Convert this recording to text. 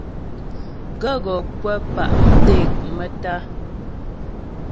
Gàə́ gɔ kwə̂ pá' mdék maə́tá'a.